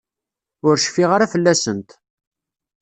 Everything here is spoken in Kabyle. Ur cfiɣ ara fell-asent.